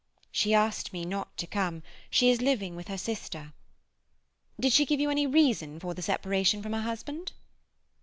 "She asked me not to come. She is living with her sister." "Did she give you any reason for the separation from her husband?"